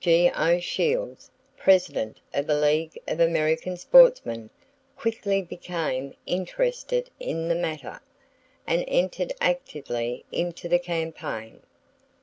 G.O. Shields, President of the League of American Sportsmen, quickly became interested in the matter, and entered actively into the campaign.